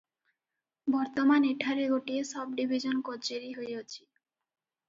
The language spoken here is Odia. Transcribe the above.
ବର୍ତ୍ତମାନ ଏଠାରେ ଗୋଟିଏ ସବ୍ଡ଼ିବିଜନ କଚେରୀ ହୋଇଅଛି ।